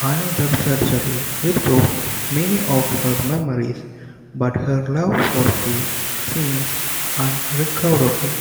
Another surgery restores many of her memories, but her love for Steve seems unrecoverable.